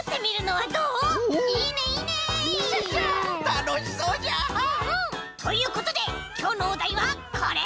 たのしそうじゃ！ということできょうのおだいはこれ！